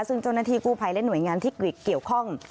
ซึ่งเจ้าหน้าที่กู้ภัยและหน่วยงานที่เกี่ยวข้อง